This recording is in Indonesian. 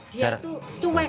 dia itu cuek